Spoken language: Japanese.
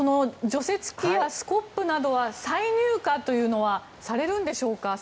除雪機やスコップなどは再入荷というのはされるんでしょうか。